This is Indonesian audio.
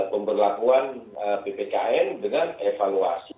pemberlakuan ppkm dengan evaluasi